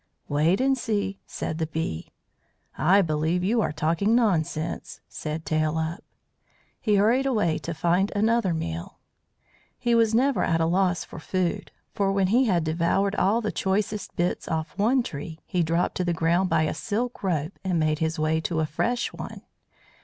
"Wait and see," said the Bee. "I believe you are talking nonsense," said Tail up. He hurried away to find another meal. He was never at a loss for food, for when he had devoured all the choicest bits off one tree, he dropped to the ground by a silk rope and made his way to a fresh one.